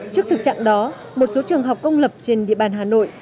trước thực trạng đó một số trường học công lập trên địa bàn hà nội